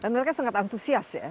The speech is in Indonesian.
dan mereka sangat antusias ya